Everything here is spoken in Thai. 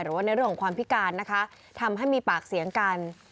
หรือว่าในเรื่องของความพิการนะคะทำให้มีปากเสียงกัน